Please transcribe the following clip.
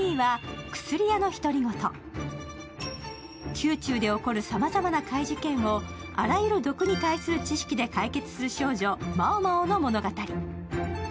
宮中で起こるさまざまな怪事件をあらゆる毒に対する知識で解決する少女・猫猫の物語。